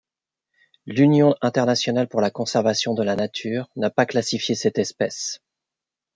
L'Union internationale pour la conservation de la nature na pas classifié cette espèce.